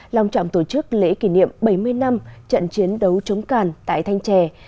lòng trọng tổ chức lễ kỷ niệm bảy mươi năm trận chiến đấu chống càn tại thanh trè